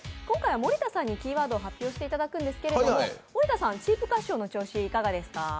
今回は森田さんにキーワードを発表していくんですけど、森田さん、チープカシオの調子いかがですか？